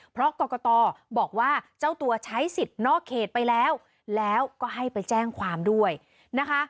เพราะกรกตบอกว่าเจ้าตัวใช้สิทธิ์นอกเขตไปแล้วแล้วก็ให้ไปแจ้งความด้วยนะคะ